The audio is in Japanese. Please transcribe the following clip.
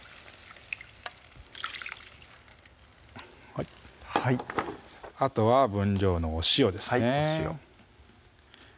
はいはいあとは分量のお塩ですねお塩